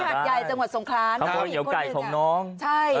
ที่หัดใหญ่จังหวัดสงครามข้าวเหนียวไก่ของน้องใช่